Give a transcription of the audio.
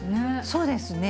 そうですね。